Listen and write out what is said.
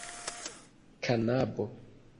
kanabo